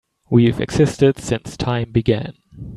We've existed since time began.